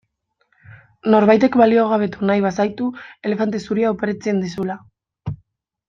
Norbaitek baliogabetu nahi bazaitu elefante zuria oparitzen dizula.